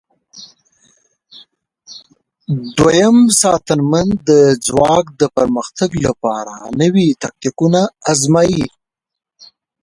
دوهم ساتنمن د ځواک د پرمختګ لپاره نوي تاکتیکونه آزمايي.